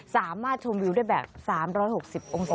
สามารถชมวิวได้แบบ๓๖๐องศา